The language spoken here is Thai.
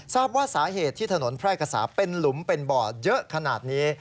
ทราบว่าสาเหตุที่ถนนแพร่กษาเป็นหลุมเป็นบ่อเยอะขนาดนี้